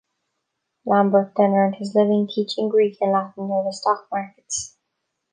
Lambert then earned his living teaching Greek and Latin near the Stock markets.